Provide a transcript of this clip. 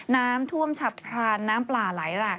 น้ำท่วมฉับพรานน้ำปลาไหลหลาก